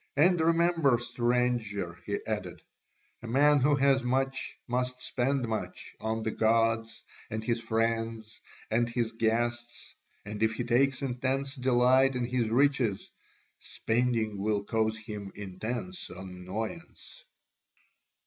And remember, stranger," he added, "a man who has much must spend much on the gods and his friends and his guests, and if he takes intense delight in his riches, spending will cause him intense annoyance."